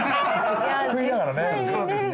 食いながらね。